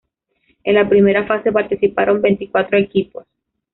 En la primera fase participaron veinticuatro equipos.